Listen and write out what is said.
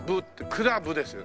クラブですよ。